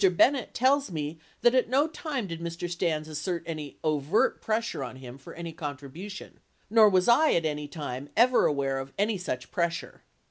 Bennett tells me that at no time did Mr. Stans assert any overt pressure on him for any contribution nor was I at any time ever aware of any such pressure.